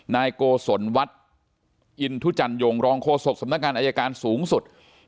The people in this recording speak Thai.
นายโกศลวัฒน์อินทุจันยงรองโฆษกสำนักงานอายการสูงสุด